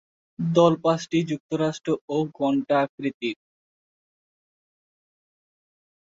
দল পাঁচটি, যুক্ত ও ঘণ্টা আকৃতির।